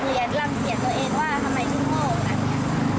เรียนรังเกียจตัวเองว่าทำไมทุกคนโง่กัน